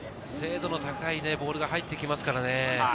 精度の高いボールが入ってきますからね。